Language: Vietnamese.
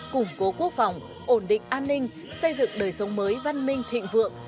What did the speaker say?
củng cố quốc phòng ổn định an ninh xây dựng đời sống mới văn minh thịnh vượng